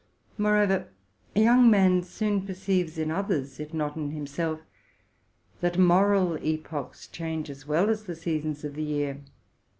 Moreover, a young man soon perceives in others, if not in himself, that moral epochs change as well as the seasons of the year.